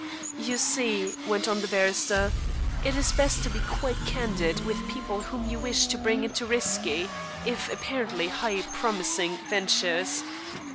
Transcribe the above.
"You see," went on the barrister, "it is best to be quite candid with people whom you wish to bring into risky if apparently high promising ventures.